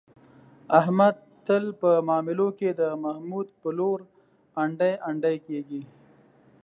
احمد تل په معاملو کې، د محمود په لور انډي انډي کېږي.